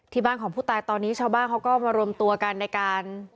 ที่บ้านของผู้ตายตอนนี้ชาวบ้านเขาก็มารวมตัวกันในการ